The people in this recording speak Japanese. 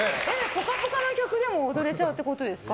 「ぽかぽか」の曲でも踊れちゃうってことですか？